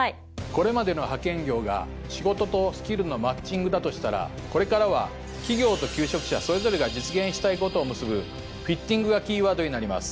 これまでの派遣業が仕事とスキルのマッチングだとしたらこれからは企業と求職者それぞれが実現したいことを結ぶフィッティングがキーワードになります。